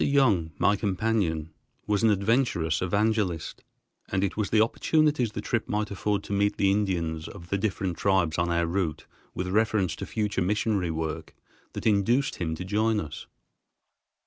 Young, my companion, was an adventurous evangelist, and it was the opportunities the trip might afford to meet the Indians of the different tribes on our route with reference to future missionary work, that induced him to join us.